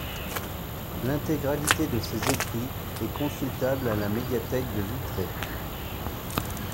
L’intégralité de ses écrits est consultable à la médiathèque de Vitré.